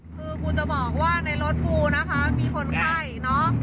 คือกูจะบอกว่าในรถกูนะคะมีคนไข้เนอะ